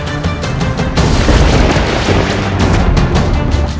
sering menyusahkan tetapi